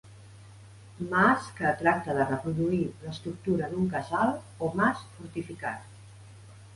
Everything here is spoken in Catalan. Mas que tracta de reproduir l'estructura d'un casal o mas fortificat.